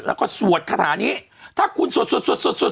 แล้วก็สวดคาถานี้ถ้าคุณสวดสวดสวดสวด